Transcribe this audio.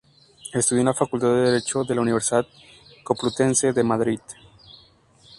Estudió en la Facultad de Derecho de la Universidad Complutense de Madrid.